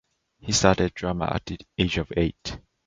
He started drama at the age of eight.